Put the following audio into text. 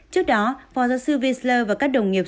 trước đó phó giáo sư vinsler và các đồng nghiệp